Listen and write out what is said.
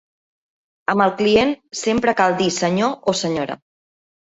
Amb el client sempre cal dir "senyor" o "senyora".